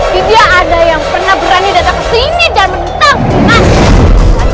tidak ada yang pernah berani datang kesini dan menentangku raten